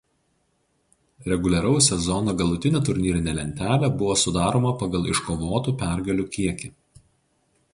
Reguliaraus sezono galutinė turnyrinė lentelė buvo sudaroma pagal iškovotų pergalių kiekį.